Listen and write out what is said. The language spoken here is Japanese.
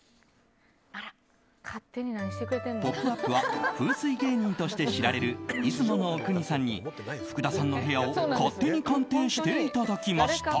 「ポップＵＰ！」は風水芸人として知られる出雲阿国さんに福田さんの部屋を勝手に鑑定していただきました。